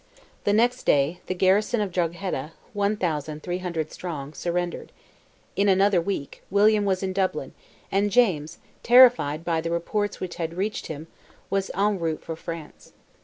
The next day, the garrison of Drogheda, one thousand three hundred strong, surrendered; in another week, William was in Dublin, and James, terrified by the reports which had reached him, was en route for France.